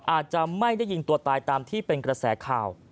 อาจจะไม่ได้ยิงตัวตายตามที่เป็นกระแสข่าว